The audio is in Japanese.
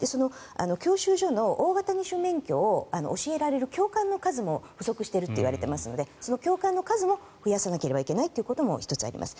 教習所の大型二種免許を教えられる教官の数も不足しているといわれていますのでその教官の数を増やさなければいけないのも１つあります。